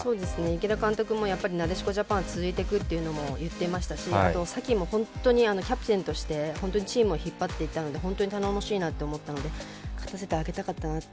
池田監督もやっぱり、なでしこジャパン続いていくっていうことも言っていましたし紗希もキャプテンとしてしっかり引っ張っていたので本当に頼もしいなと思ったので勝たせてあげたかったなって